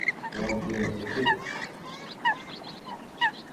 আমার কী হয়েছে, পিট?